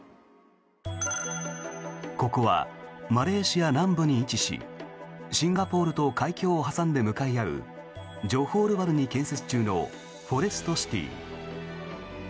ここはマレーシア南部に位置しシンガポールと海峡を挟んで向かい合うジョホールバルに建設中のフォレストシティー。